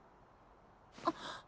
あっ！